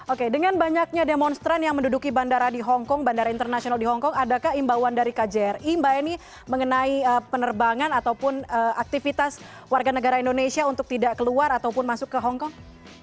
oke dengan banyaknya demonstran yang menduduki bandara di hongkong bandara internasional di hongkong adakah imbauan dari kjri mbak eni mengenai penerbangan ataupun aktivitas warga negara indonesia untuk tidak keluar ataupun masuk ke hongkong